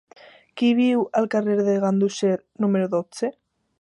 Qui viu al carrer de Ganduxer número dotze?